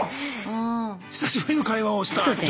久しぶりの会話をした女性。